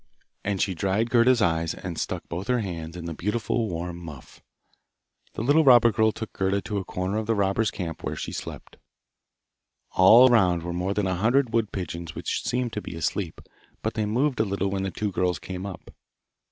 And she dried Gerda's eyes, and stuck both her hands in the beautiful warm muff. The little robber girl took Gerda to a corner of the robbers' camp where she slept. All round were more than a hundred wood pigeons which seemed to be asleep, but they moved a little when the two girls came up.